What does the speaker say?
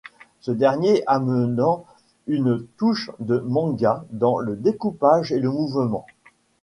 Ce dernier amenant une touche de manga dans le découpage et le mouvement.